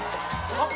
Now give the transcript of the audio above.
あっ！